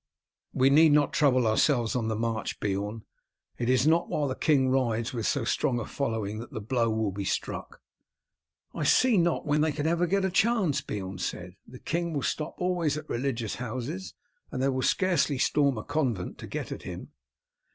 "We need not trouble ourselves on the march, Beorn. It is not while the king rides with so strong a following that the blow will be struck." "I see not when they can ever get a chance," Beorn said. "The king will stop always at religious houses, and they will scarcely storm a convent to get at him."